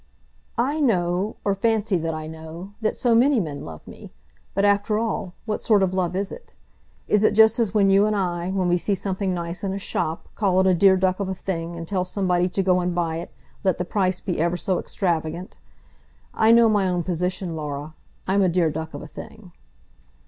"I know, or fancy that I know, that so many men love me! But, after all, what sort of love is it? It is just as when you and I, when we see something nice in a shop, call it a dear duck of a thing, and tell somebody to go and buy it, let the price be ever so extravagant. I know my own position, Laura. I'm a dear duck of a thing."